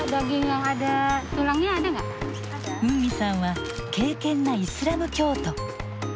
ウンミさんは敬けんなイスラム教徒。